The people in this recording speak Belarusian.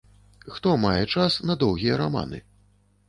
Хто мае час на доўгія раманы?